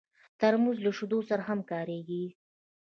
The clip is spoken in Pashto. ترموز له شیدو سره هم کارېږي.